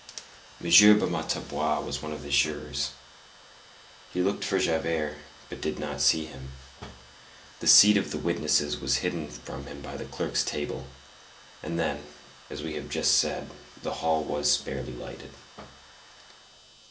M. Bamatabois was one of the jurors. He looked for Javert, but did not see him; the seat of the witnesses was hidden from him by the clerk's table, and then, as we have just said, the hall was sparely lighted.